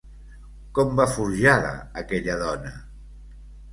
Com va forjada, aquella dona?